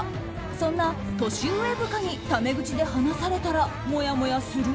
そんな年上部下にタメ口で話されたらもやもやする？